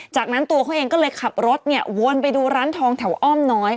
จากนั้นตัวเขาเองก็เลยขับรถเนี่ยวนไปดูร้านทองแถวอ้อมน้อย